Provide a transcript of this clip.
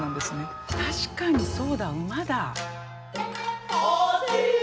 確かにそうだ馬だ。